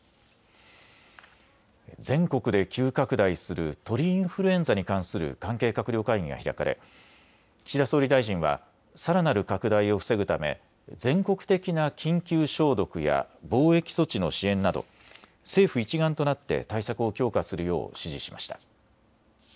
全国で急拡大する鳥インフルエンザに関する関係閣僚会議が開かれ岸田総理大臣はさらなる拡大を防ぐため、全国的な緊急消毒や防疫措置の支援など政府一丸となって対策を強化するよう指示しました。